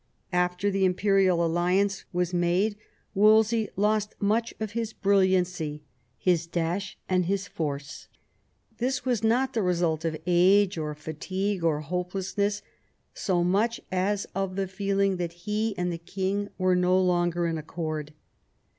After the imperial alliance was made Wolsey lost much of his brilliancy, his dash, and his force. This was not the result of age, or fatigue, or hopelessness so much as of the feeling that he and the king were no longer in accord.